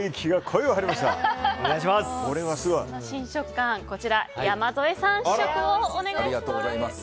新食感山添さん、試食をお願いします。